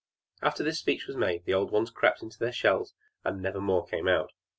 After this speech was made, the old ones crept into their shells, and never more came out.